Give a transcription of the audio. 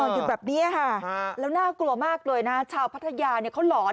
อยู่แบบนี้ค่ะแล้วน่ากลัวมากเลยนะชาวพัทยาเขาหลอน